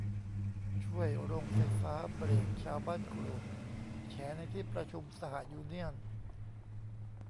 ช่วยโรงไฟฟ้า เบรคชาวบ้านกรูด แฉในที่ประชุมสหยูเนี่ยน